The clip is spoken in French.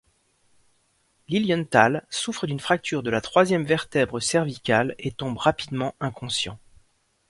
Lilienthal souffre d’une fracture de la troisième vertèbre cervicale et tombe rapidement inconscient.